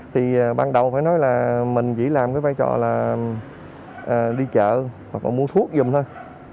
thì ban đầu phải nói là mình chỉ làm vai trò là đi chợ hoặc mua thuốc giùm thôi